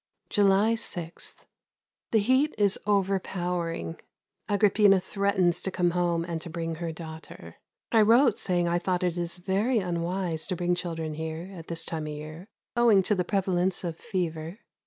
July 6. The heat is overpowering. Agrippina threatens to come home and to bring her daughter. I wrote saying I thought it is very unwise to bring children here at this time of year, owing to the prevalence of fever.